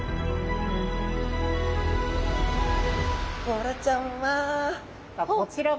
ボラちゃんは。